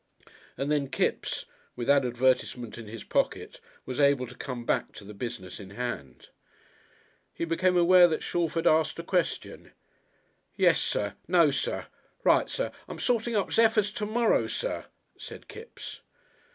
And then Kipps (with that advertisement in his pocket) was able to come back to the business in hand. He became aware that Shalford had asked a question. "Yessir, nosir, rightsir. I'm sorting up zephyrs to morrow, Sir," said Kipps.